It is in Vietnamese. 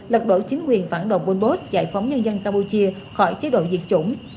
lật đổ chính quyền phản độc quân bốt giải phóng nhân dân campuchia khỏi chế độ diệt chủng